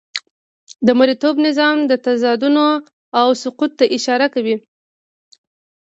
د مرئیتوب نظام تضادونه او سقوط ته اشاره کوو.